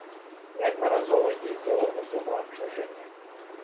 Неаднаразова ездзіла ў зону адчужэння.